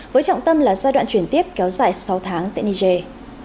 với trọng tâm là giai đoạn chuyển tiếp kéo dài sáu tháng tại niger